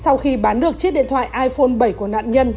sau khi bán được chiếc điện thoại iphone bảy của nạn nhân